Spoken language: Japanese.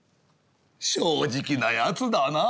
「正直なやつだなあ